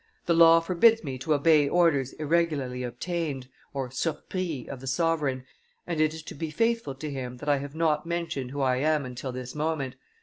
The law forbids me to obey orders irregularly obtained (surpris) of the sovereign, and it is to be faithful to him that I have not mentioned who I am until this moment.